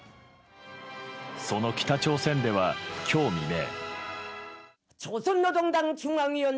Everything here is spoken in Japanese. その北朝鮮では今日未明。